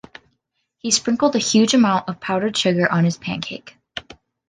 He sprinkled a huge amount of powdered sugar on his pancake.